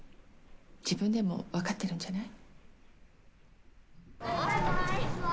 自分でも分かってるんじゃない？